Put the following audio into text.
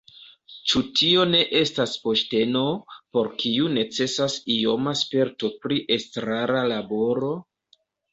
Ĉu tio ne estas posteno, por kiu necesas ioma sperto pri estrara laboro?